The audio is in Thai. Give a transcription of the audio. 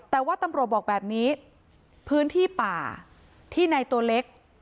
แต่ว่าตำรวจบอกแบบนี้พื้นที่ป่าที่ในตัวเล็ก